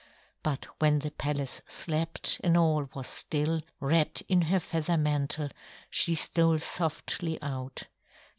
But when the palace slept and all was still, wrapped in her feather mantle, she stole softly out.